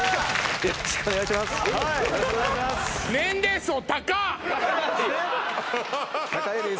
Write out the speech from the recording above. よろしくお願いします